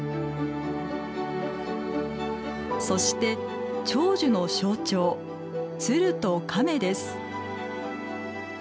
そして長寿の象徴、鶴と亀です。